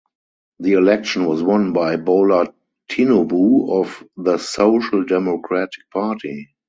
The election was won by Bola Tinubu of the Social Democratic Party.